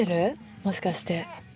もしかして。